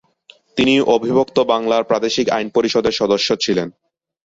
তিনি অবিভক্ত বাংলার প্রাদেশিক আইন পরিষদের সদস্য ছিলেন।